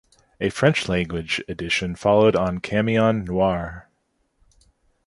A French language edition followed on Camion Noir.